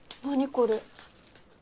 これ。